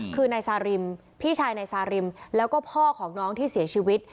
คือนายซาริมพี่ชายนายซาริมแล้วก็พ่อของน้องที่เสียชีวิต